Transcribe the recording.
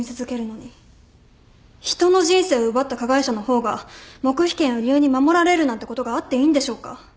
人の人生を奪った加害者の方が黙秘権を理由に守られるなんてことがあっていいんでしょうか。